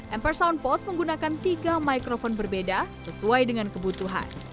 emper soundpost menggunakan tiga microphone berbeda sesuai dengan kebutuhan